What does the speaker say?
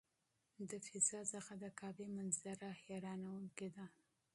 د فضا څخه د کعبې منظره حیرانوونکې ده.